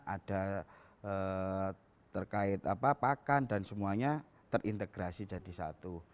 ada terkait pakan dan semuanya terintegrasi jadi satu